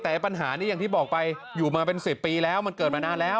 แต่ปัญหานี้อย่างที่บอกไปอยู่มาเป็น๑๐ปีแล้วมันเกิดมานานแล้ว